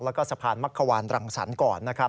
แล้วก็สะพานมักขวานรังสรรค์ก่อนนะครับ